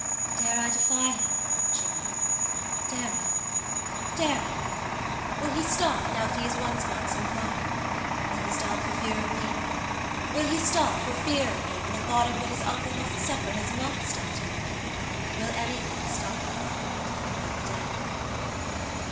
"Dare I defy him?" she muttered. "Dare I? dare I? Will he stop, now that he has once gone so far? Will he stop for fear of me? Will he stop for fear of me, when the thought of what his uncle must suffer has not stopped him? Will anything stop himbut death?"